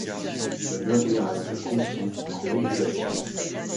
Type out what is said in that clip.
Le navire a été conçu en modulation.